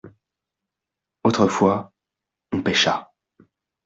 Autrefois on pêcha.